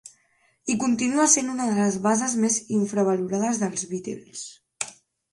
I continua sent una de les bases més infravalorades dels Beatles.